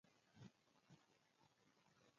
جبار خان په کوټه کې نه و، خو شیان یې پراته و.